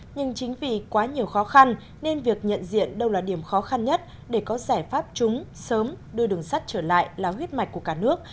nhưng chính vì quá nhiều khó khăn nên việc nhận diện đâu là điểm khó khăn nhất để có giải pháp chúng sớm đưa đường sắt trở lại là huyết mạch của cả nước